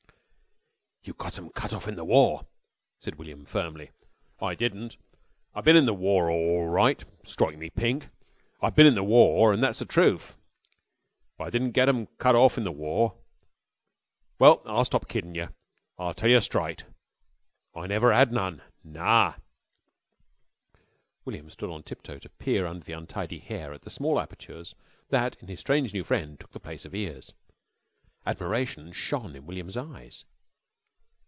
"You got 'em cut off in the war," said William firmly. "I didn't. I bin in the wor orl right. Stroike me pink, I bin in the wor and that's the truth. But I didn't get 'em cut orf in the wor. Well, I'll stop kiddin' yer. I'll tell yer strite. I never 'ad none. Nar!" William stood on tiptoe to peer under the untidy hair at the small apertures that in his strange new friend took the place of ears. Admiration shone in William's eyes.